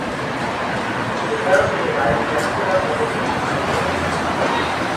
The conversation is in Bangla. এছাড়াও তিনি ভাইস-চ্যান্সেলর পদবি ধারণ করে আছেন।